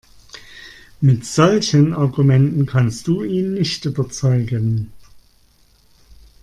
Mit solchen Argumenten kannst du ihn nicht überzeugen.